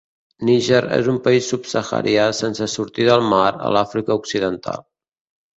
Niger és un país subsaharià sense sortida al mar a l'Àfrica Occidental.